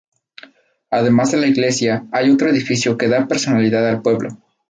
Además de la iglesia, hay otro edificio que da personalidad al pueblo.